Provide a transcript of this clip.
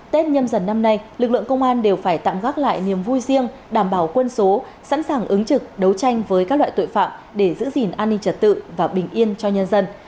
tết nhâm dần năm nay lực lượng công an đều phải tạm gác lại niềm vui riêng đảm bảo quân số sẵn sàng ứng trực đấu tranh với các loại tội phạm để giữ gìn an ninh trật tự và bình yên cho nhân dân